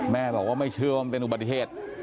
แม่บอกว่าไม่เชื่อว่ามันเป็นอุบัติเหตุ